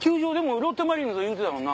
ロッテマリーンズ言うてたもんな。